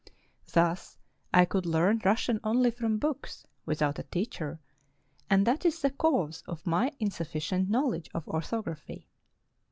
Thus, I could learn Rus sian only from books, without a teacher, and that is the cause of my insufficient knowledge of orthography."